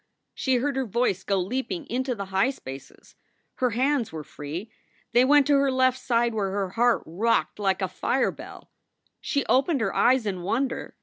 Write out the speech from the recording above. She heard her voice go leaping into the high spaces. Her hands were free. They went to her left side where her heart rocked like a fire bell. She opened her eyes in wonder.